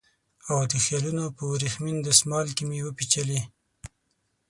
او د خیالونو په وریښمین دسمال کې مې وپېچلې